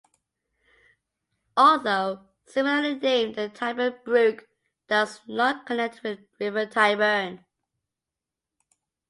Although similarly named, the Tyburn Brook does not connect with the River Tyburn.